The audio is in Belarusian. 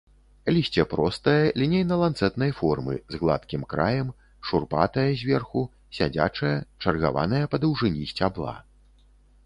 Лісце простае, лінейна-ланцэтнай формы, з гладкім краем, шурпатае зверху, сядзячае, чаргаванае па даўжыні сцябла.